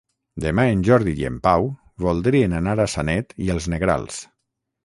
Demà en Jordi i en Pau voldrien anar a Sanet i els Negrals.